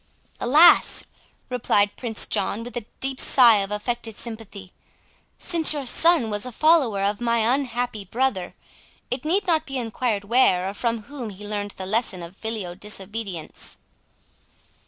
"Alas!" replied Prince John, with a deep sigh of affected sympathy, "since your son was a follower of my unhappy brother, it need not be enquired where or from whom he learned the lesson of filial disobedience."